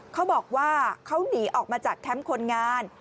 เขาบอกว่าเขาหนีออกมาจากแคมป์คนงาน